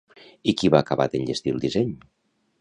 I qui va acabar d'enllestir el disseny?